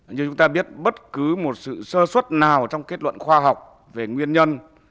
như chúng ta biết bất cứ một sự sơ xuất nào trong kết luận khoa học về nguyên nhân